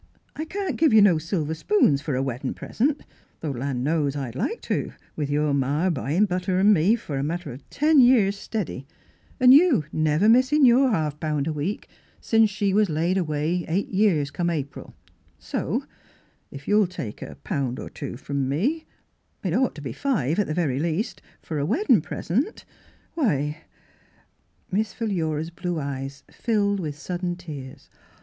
I can't give you no silver spoons fer a weddin' present, though land knows I'd like to, with your ma biiyin' butter o' me fer a matter o' ten years stiddy, an' you never missin' your half pound a week since she was laid away eight years come Miss Fhilura's Wedding Gown April. So if you'll take a pound or two from me — it ought to be five at the very least — fer a weddin' present, why —!" Miss Philura's blue eyes filled with sud den tears.